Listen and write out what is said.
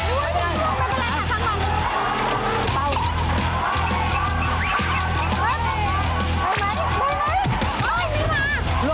โอ้โฮมันกำลังไปกันแล้วค่ะทางนั้น